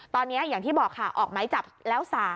ตอนนี้อย่างที่บอกค่ะออกไม้จับแล้ว๓